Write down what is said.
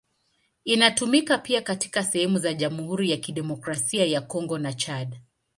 Inatumika pia katika sehemu za Jamhuri ya Kidemokrasia ya Kongo na Chad.